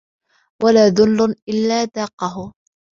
وَلَا ذُلٌّ إلَّا ذَاقَهُ